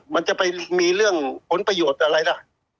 มันจะไปมีเรื่องผลประโยชน์อะไรล่ะ